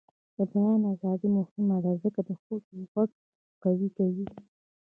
د بیان ازادي مهمه ده ځکه چې ښځو غږ قوي کوي.